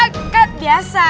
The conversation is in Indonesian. kan kan kan biasa